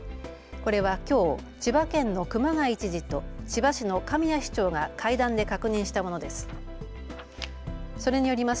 これはきょう千葉県の熊谷知事と千葉市の神谷市長が会談で確認したものです。